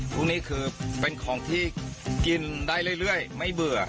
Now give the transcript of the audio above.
พวกนี้คือเป็นของที่กินได้เรื่อยไม่เบื่อ